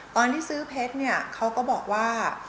ตอนที่ซื้อเพชรเนี่ยเขาก็บอกว่า